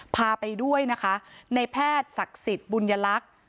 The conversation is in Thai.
พาไปด้วยนะคะในแพทย์ศักษิติบุญรักษณ์